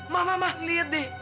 mama mama lihat deh